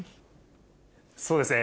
そうですね。